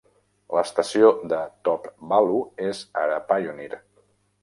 L'estació de Top-Valu és ara Pioneer.